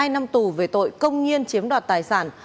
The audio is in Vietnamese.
hai năm tù về tội công nhiên chiếm đoạt tài sản